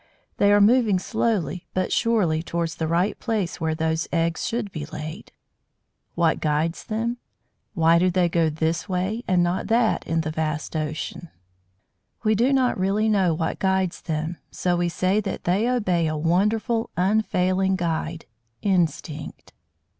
They are moving slowly but surely towards the right place where those eggs should be laid. What guides them? Why do they go this way and not that in the vast ocean? We do not really know what guides them; so we say that they obey a wonderful, unfailing guide "instinct."